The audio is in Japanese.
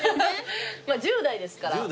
まあ１０代ですから。